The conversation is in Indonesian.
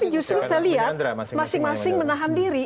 justru saya lihat masing masing menahan diri